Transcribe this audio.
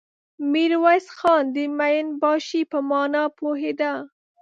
ميرويس خان د مين باشي په مانا پوهېده.